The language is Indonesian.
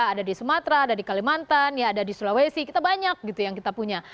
ada di sumatera ada di kalimantan ya ada di sulawesi kita banyak gitu yang kita punya